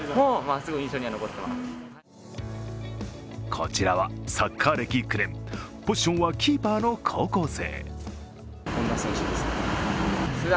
こちらはサッカー歴９年、ポジションはキーパーの高校生。